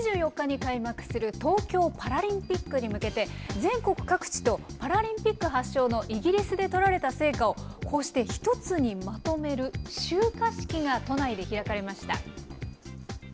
今月２４日に開幕する東京パラリンピックに向けて、全国各地とパラリンピック発祥のイギリスで採られた聖火を、こうして１つにまとめる集火式が都内で開かれました。